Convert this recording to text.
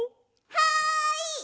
はい！